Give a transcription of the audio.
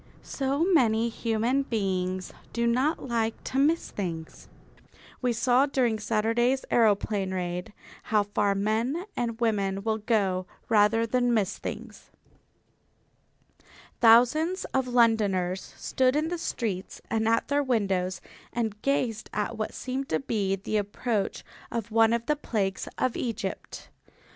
So many human beings do not like to miss things. We saw during Saturday's aeroplane raid how far men and women will go rather than miss things. Thousands of Londoners stood in the streets and at their windows and gazed at what seemed to be the approach of one of the plagues of Egypt.